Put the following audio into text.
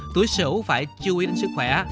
tuổi sử phải chú ý đến sức khỏe